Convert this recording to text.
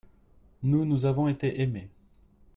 nous, nous avons été aimé.